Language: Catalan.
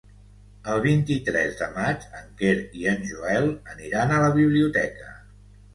El vint-i-tres de maig en Quer i en Joel aniran a la biblioteca.